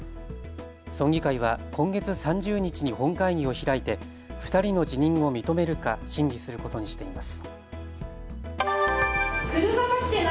村議会は今月３０日に本会議を開いて２人の辞任を認めるか審議することにしています。